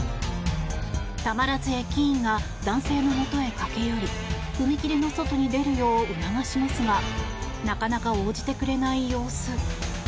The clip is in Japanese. たまらず駅員が男性のもとへ駆け寄り踏切の外に出るよう促しますがなかなか応じてくれない様子。